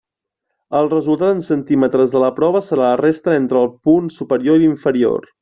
El resultat en centímetres de la prova serà la resta entre el punt superior i l'inferior.